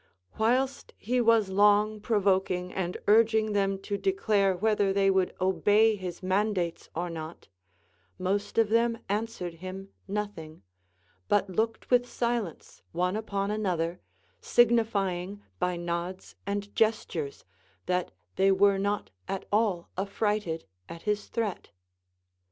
AVhilst he was long provoking and urging them to declare whether they would obey his man dates or not, most of them answered him nothing, but looked with silence one upon another, signifying by nods and gestures that they were not at all affrighted at his threat.